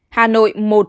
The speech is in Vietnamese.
hà nội một